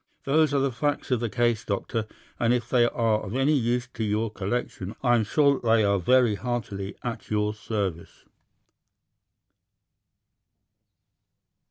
Those are the facts of the case, Doctor, and if they are of any use to your collection, I am sure that they are very heartily at your service."